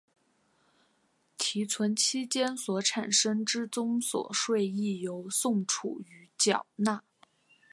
提存期间所产生之综所税亦由宋楚瑜缴纳。